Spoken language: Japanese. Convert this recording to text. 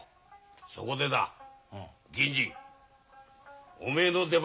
そこでだ銀次おめえの出番だ。